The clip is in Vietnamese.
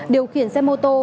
điều khiển xe mô tô